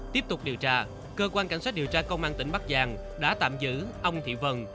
tiếp tục điều tra cơ quan cảnh sát điều tra công an tỉnh bắc giang đã tạm giữ ông thị vân